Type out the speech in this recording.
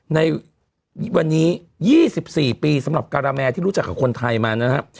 ในวันนี้๒๔ปีสำหรับการาแมที่รู้จักของคนไทยมา